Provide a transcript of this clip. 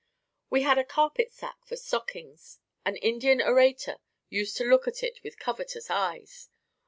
We had a carpet sack for stockings. An Indian orator used to look at it with covetous eyes.